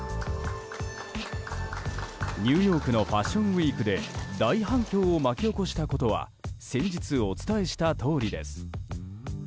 ニューヨークのファッションウィークで大反響を巻き起こしたことは先日、お伝えしたとおりです。